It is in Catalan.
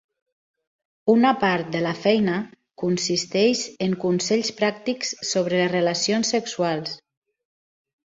Una part de la feina consisteix en consells pràctics sobre les relacions sexuals.